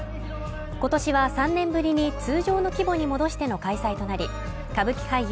今年は３年ぶりに通常の規模に戻しての開催となり歌舞伎俳優